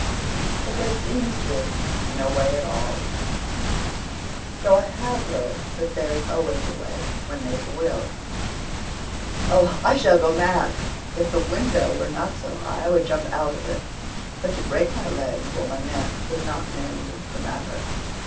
But there seems to be no way at all though I have heard that there's always a way when there's a will. Oh, I shall go mad! If the window were not so high I would jump out of it. But to break my legs or my neck would not mend the matter.